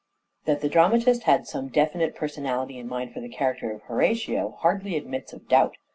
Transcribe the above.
That the dramatist had some definite personality Horatio, in mind for the character of Horatio hardly admits of doubt.